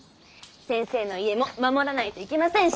先生の家も守らないといけませんし！